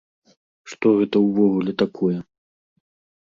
Што гэта ўвогуле такое?